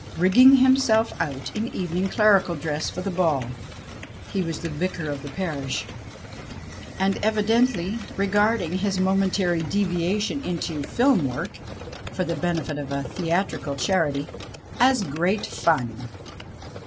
Rigging himself out in evening clerical dress for the ball (he was the vicar of the parish), and 220 THE SILENT STAGE evidently regarding his momentary deviation into " film " work (for the beneht of a theatrical charity) as great fun.